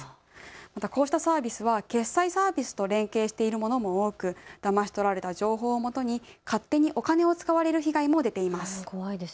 また、こうしたサービスは決済サービスと連携しているものも多くだまし取られた情報をもとに勝手にお金を使われる被害も出ています。